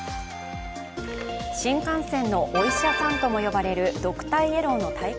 新幹線のお医者さんとも呼ばれるドクターイエローの体験